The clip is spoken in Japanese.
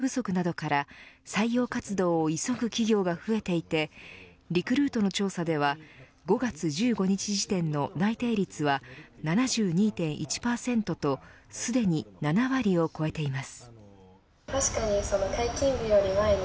ただ、コロナ禍からの経済活動の再開による人手不足などから採用活動を急ぐ企業が増えていてリクルートの調査では５月１５日時点の内定率は７２．１％とすでに７割を超えています。